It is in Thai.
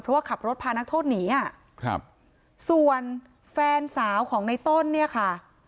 เพราะว่าขับรถพานักโทษหนีอ่ะครับส่วนแฟนสาวของในต้นเนี่ยค่ะ